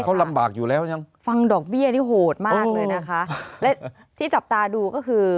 ใช่ค่ะฟังดอกเบี้ยนี่โหดมากเลยนะฮะและที่จับตาดูก็คือ